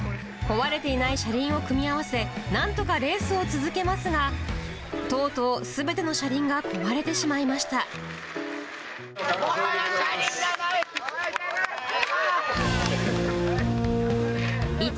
壊れていない車輪を組み合わせ、なんとかレースを続けますが、とうとうすべての車輪が壊れてしもはや車輪がない！